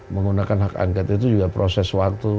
menggunakan hak angket itu juga proses waktu